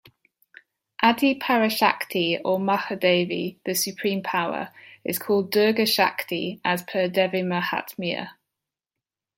Adi Parashakti or Mahadevi, the Supreme power, is called Durga Shakti as per Devi-Mahatmya.